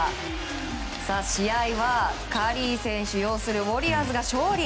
試合はカリー選手を擁するウォリアーズが勝利。